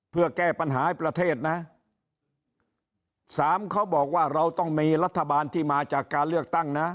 เพื่อแก้ปัญหาให้ประเทศนะสามเขาบอกว่าเราต้องมีรัฐบาลที่มาจากการเลือกตั้งนะ